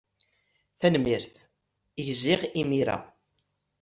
Tanemmirt. Gziɣ imir-a.